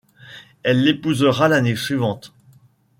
Elle l'épousera l'année suivante.